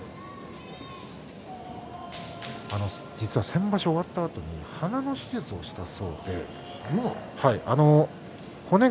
先場所終わったあと鼻の手術をしたんだそうですね。